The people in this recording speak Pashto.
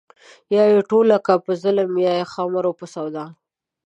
يا يې ټوله کا په ظلم يا د خُمرو په سودا